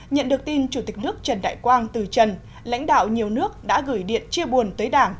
nhận được tin chủ tịch nước trần đại quang từ trần lãnh đạo nhiều nước đã gửi điện chia buồn tới đảng